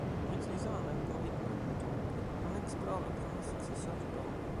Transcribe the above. En utilisant un algorithme glouton, on explore le premier successeur du parent.